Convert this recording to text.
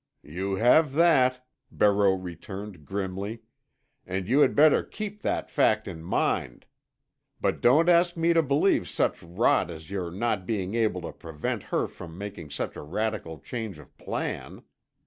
"You have that," Barreau returned grimly, "and you had better keep that fact in mind. But don't ask me to believe such rot as your not being able to prevent her from making such a radical change of plan.